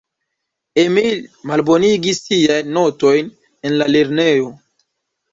Emil malbonigis siajn notojn en la lernejo.